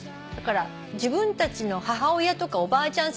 自分たちの母親とかおばあちゃん